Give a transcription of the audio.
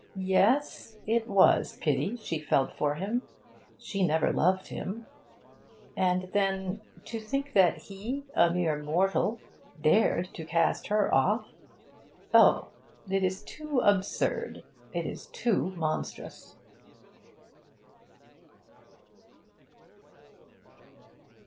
Yes, it was pity she felt for him. She never loved him. And then, to think that he, a mere mortal, dared to cast her off oh, it is too absurd, it is too monstrous!